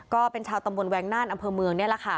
ก็เป็นชาวตำบลแวงน่านอำเภอเมืองนี่แหละค่ะ